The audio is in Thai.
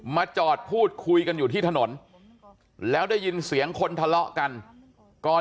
มาจอดพูดคุยกันอยู่ที่ถนนแล้วได้ยินเสียงคนทะเลาะกันก่อน